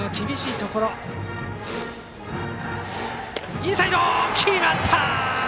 インサイド、決まった！